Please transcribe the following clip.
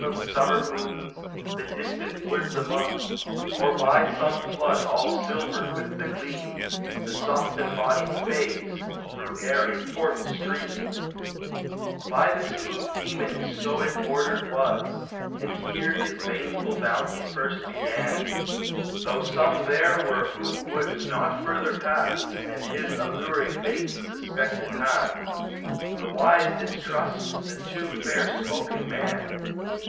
Of summer moons, the distant woods among, Or by some flood all silvered with the gleam, The soft embodied fays through airy portal stream : By the smooth demon so it ordered was, And here his baneful bounty first began : Though some there were who would not further pass, And his alluring baits suspected han. The wise distrust the too fair spoken man.